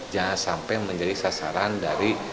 jangan sampai menjadi sasaran dari